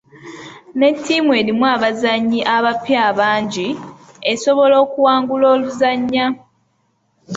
Ne ttiimu erimu abazannyi abapya abangi, esobola okuwangula oluzannya.